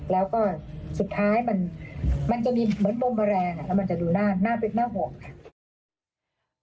แล้วก็สุดท้ายมันจะมีเหมือนปมแมลงแล้วมันจะดูน่าเป็นน่าห่วงค่ะ